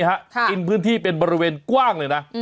กินพื้นที่เป็นบริเวณกว้างเลยนะ